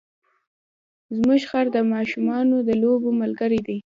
زموږ خر د ماشومانو د لوبو ملګری دی.